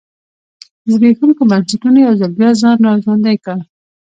زبېښونکو بنسټونو یو ځل بیا ځان را ژوندی کړ.